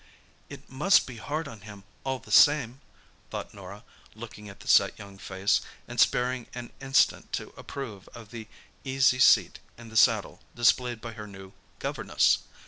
"It must be hard on him, all the same," thought Norah, looking at the set young face, and sparing an instant to approve of the easy seat in the saddle displayed by her new "governess."